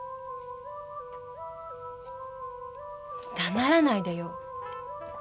黙らないでよ。